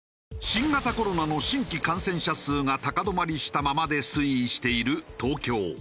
新型コロナの新規感染者数が高止まりしたままで推移している東京。